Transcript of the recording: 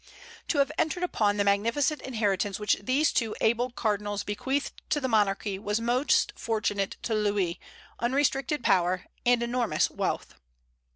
To have entered upon the magnificent inheritance which these two able cardinals bequeathed to the monarchy was most fortunate to Louis, unrestricted power and enormous wealth.